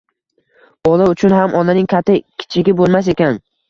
Bola uchun ham onaning katta-kichigi bo‘lmas ekan.